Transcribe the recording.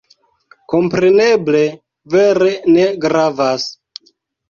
Kompreneble, vere ne gravas.